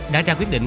đã ra quyết định